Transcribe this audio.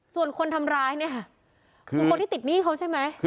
ส่วนคนทำร้ายเนี่ยค่ะคือคนที่ติดหนี้เขาใช่ไหม